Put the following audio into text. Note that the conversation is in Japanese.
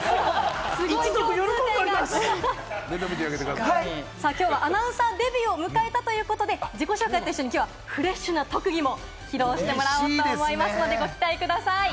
一族、きょうはアナウンサーデビューを迎えたということで、自己紹介と一緒にフレッシュな特技も披露してもらおうと思いますので、ご期待ください。